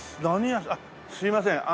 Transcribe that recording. あっすいません。